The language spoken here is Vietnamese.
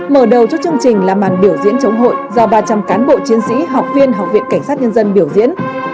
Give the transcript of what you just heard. mở đầu cho chương trình là màn biểu diễn chống hội do ba trăm linh cán bộ chiến sĩ học viên học viện cảnh sát nhân dân biểu diễn